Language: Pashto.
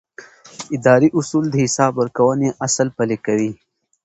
اداري اصول د حساب ورکونې اصل پلي کوي.